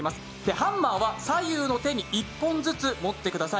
ハンマーは左右の手に１本ずつ持ってください。